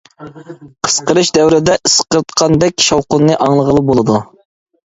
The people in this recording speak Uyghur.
قىسقىرىش دەۋرىدە ئىسقىرتقاندەك شاۋقۇننى ئاڭلىغىلى بولىدۇ.